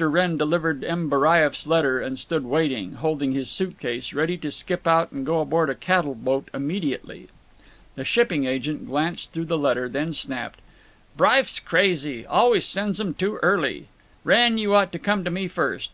Wrenn delivered M. Baraieff's letter and stood waiting, holding his suit case, ready to skip out and go aboard a cattle boat immediately. The shipping agent glanced through the letter, then snapped: "Bryff's crazy. Always sends 'em too early. Wrenn, you ought to come to me first.